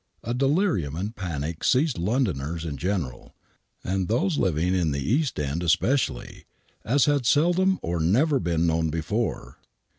A delirium and panic seized Londoners in general, and those living in the East End especially,, as had seldom or never been known before.